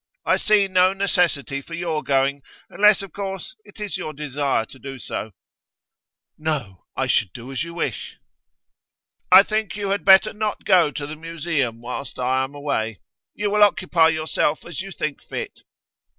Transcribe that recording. I see no necessity for your going, unless, of course, it is your desire to do so.' 'No; I should do as you wish.' 'I think you had better not go to the Museum whilst I am away. You will occupy yourself as you think fit.